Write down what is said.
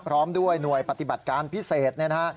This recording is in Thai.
พร้อมด้วยหน่วยปฏิบัติการพิเศษเนี่ยนะฮะ